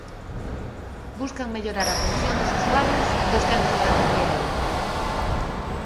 Buscan mellorar a atención dos usuarios dos centros da terceira idade.